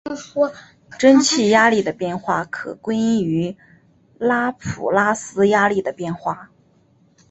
蒸气压力的变化可归因于拉普拉斯压力的变化。